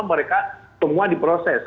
mereka semua diproses